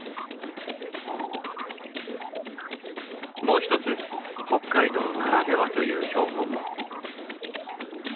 もう一つ北海道ならではという標本も。